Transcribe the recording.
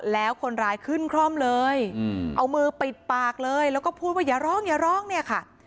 แล้วคนร้ายขึ้นคร่อมเลยเอามือปิดปากเลยแล้วก็พูดว่าอย่าร้องอย่าร้องเนี่ยค่ะ